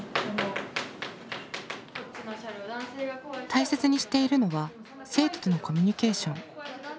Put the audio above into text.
大切にしているのは生徒とのコミュニケーション。